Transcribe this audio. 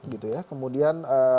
gitu ya kemudian